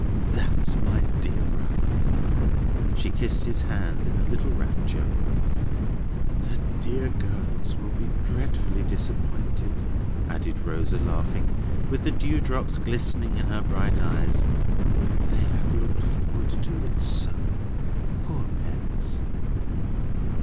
"That's my dear brother!" She kissed his hand in a little rapture. "The dear girls will be dreadfully disappointed," added Rosa, laughing, with the dewdrops glistening in her bright eyes. "They have looked forward to it so, poor pets!"